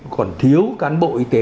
còn thiếu cán bộ y tế